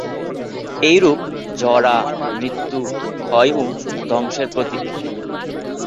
এই রূপ জরা, মৃত্যু, ক্ষয় ও ধ্বংসের প্রতীক।